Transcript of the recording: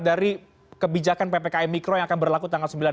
dari kebijakan ppkm mikro yang akan berlaku tanggal sembilan